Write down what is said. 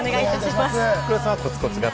黒田さんはコツコツ型？